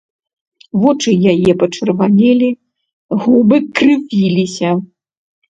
Вочы яе пачырванелі, губы крывіліся.